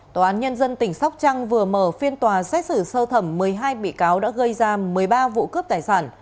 tòa án nhân dân tỉnh sóc trăng vừa mở phiên tòa xét xử sơ thẩm một mươi hai bị cáo đã gây ra một mươi ba vụ cướp tài sản